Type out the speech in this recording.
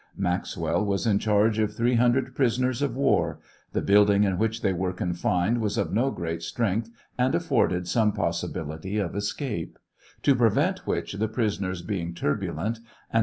Maxwell was in charge of 300 prisoners of war; the building in which they were confined was of no great strength and afforded some possibility of escape ; to prevent which, the prisoners being turbulent, an.